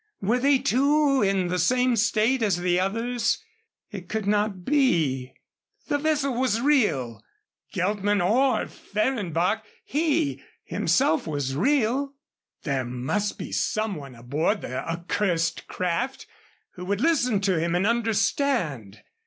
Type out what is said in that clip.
Were they, too, in the same state as the others? It could not be. The vessel was real. Geltman or Fehrenbach he, himself, was real. There must be some one aboard the accursed craft who would listen to him and understand.